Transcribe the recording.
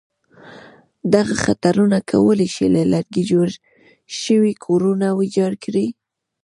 دغه خطرونه کولای شي له لرګي جوړ شوي کورونه ویجاړ کړي.